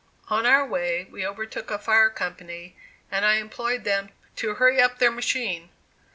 On our way, we overtook a fire company and I implored them to "hurry up their machine."